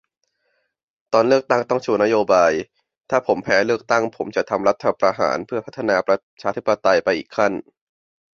ตอนเลือกตั้งต้องชูนโยบาย ถ้าผมแพ้เลือกตั้ง ผมจะทำรัฐประหารเพื่อพัฒนาประชาธิปไตยไปอีกขั้น